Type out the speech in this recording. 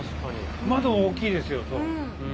窓、大きいですよ。